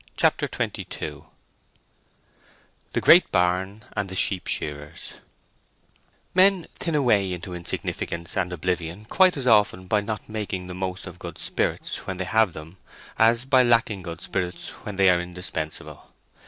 CHAPTER XXII THE GREAT BARN AND THE SHEEP SHEARERS Men thin away to insignificance and oblivion quite as often by not making the most of good spirits when they have them as by lacking good spirits when they are indispensable.